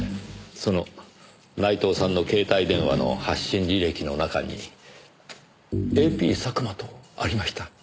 その内藤さんの携帯電話の発信履歴の中にＡＰ佐久間とありました。